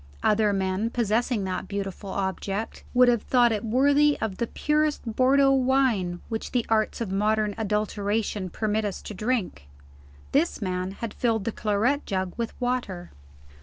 Other men, possessing that beautiful object, would have thought it worthy of the purest Bordeaux wine which the arts of modern adulteration permit us to drink. This man had filled the claret jug with water.